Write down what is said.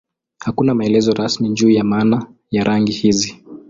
Hakuna maelezo rasmi juu ya maana ya rangi hizi.